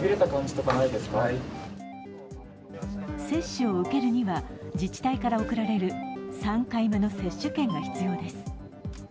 接種を受けるには自治体から送られる３回目の接種券が必要です。